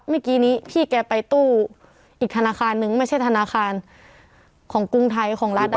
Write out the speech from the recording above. เมื่อกี้นี้พี่แกไปตู้อีกธนาคารนึงไม่ใช่ธนาคารของกรุงไทยของรัฐ